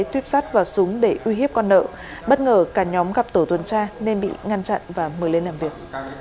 tuyếp sát vào súng để uy hiếp con nợ bất ngờ cả nhóm gặp tổ tuần tra nên bị ngăn chặn và mời lên làm việc